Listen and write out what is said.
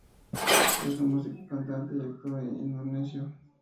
Es un músico, cantante y actor indonesio.